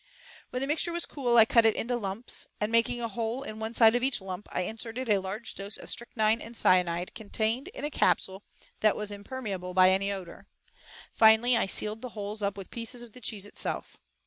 When the mixture was cool, I cut it into lumps, and making a hole in one side of each lump, I inserted a large dose of strychnine and cyanide, contained, in a capsule that was impermeable by any odor; finally I sealed the holes up with pieces of the cheese itself.